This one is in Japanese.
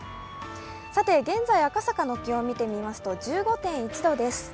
現在、赤坂の気温見てみますと１５．１度です。